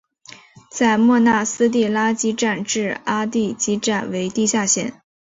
在莫纳斯蒂拉基站至阿蒂基站为地下线。